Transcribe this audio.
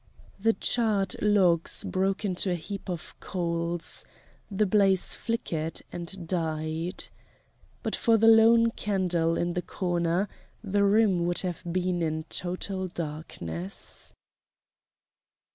The charred logs broke into a heap of coals; the blaze flickered and died. But for the lone candle in the corner the room would have been in total darkness.